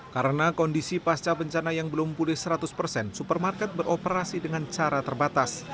karena kondisi pasca bencana yang belum pulih seratus persen supermarket beroperasi dengan cara terbatas